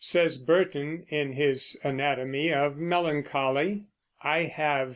Says Burton in his Anatomy of Melancholy: I have